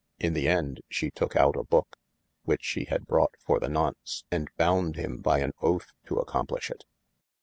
In the ende she tooke out a booke (which she had brought for the nonce) & bound him by othe to accomplishe it.